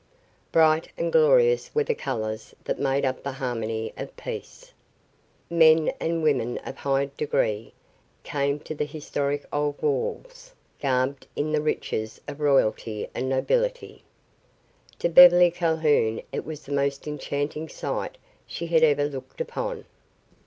Bright and glorious were the colors that made up the harmony of peace. Men and women of high degree came to the historic old walls, garbed in the riches of royalty and nobility. To Beverly Calhoun it was the most enchanting sight she had ever looked upon.